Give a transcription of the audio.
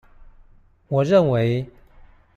我認為